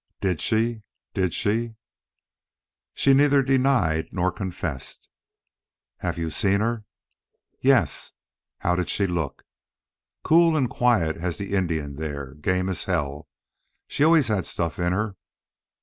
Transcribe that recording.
"Did she did she " "She neither denied nor confessed." "Have you seen her?" "Yes." "How did she look?" "Cool and quiet as the Indian there.... Game as hell! She always had stuff in her."